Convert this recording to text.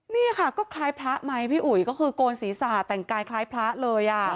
นี่ค่ะก็คล้ายพระไหมพี่อุ๋ยก็คือโกนศีรษะแต่งกายคล้ายพระเลยอ่ะ